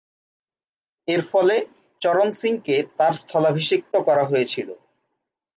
এরফলে, চরণ সিংকে তার স্থলাভিষিক্ত করা হয়েছিল।